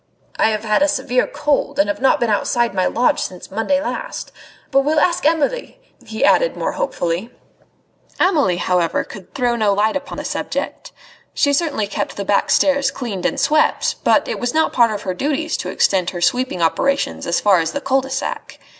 "I have had a severe cold, and have not been outside my lodge since Monday last. But we'll ask Amelie!" he added more hopefully. Amelie, however, could throw no light upon the subject. She certainly kept the back stairs cleaned and swept, but it was not part of her duties to extend her sweeping operations as far as the cul de sac.